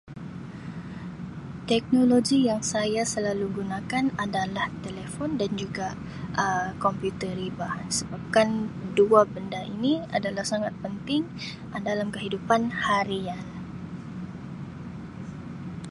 Teknologi yang saya selalu gunakan adalah telefon dan juga Um komputer riba sebabkan dua benda ini adalah sangat penting dalam kehidupan harian.